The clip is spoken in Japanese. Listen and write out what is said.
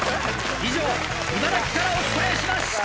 以上茨城からお伝えしました！